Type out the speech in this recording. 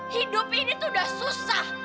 hidup ini tuh udah susah